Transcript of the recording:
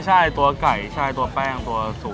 ใช่ตัวไก่ตัวแป้งตัวสูตร